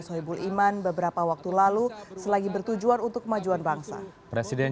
soebul iman beberapa waktu lalu selagi bertujuan untuk kemajuan bangsa presiden